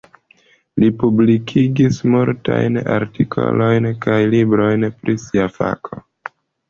Li publikigis multajn artikolojn kaj librojn pri sia fako.